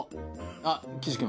あっ岸君。